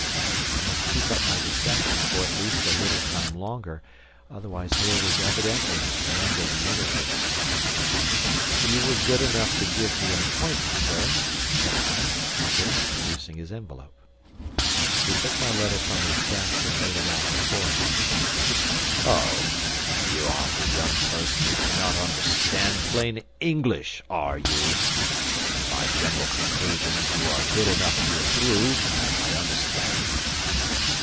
I must keep up my deception for at least a little time longer, otherwise here was evidently an end of the interview. "You were good enough to give me an appointment, sir," said I, humbly, producing his envelope. He took my letter from his desk and laid it out before him. "Oh, you are the young person who cannot understand plain English, are you? My general conclusions you are good enough to approve, as I understand?"